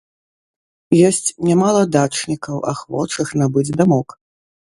Ёсць нямала дачнікаў, ахвочых набыць дамок.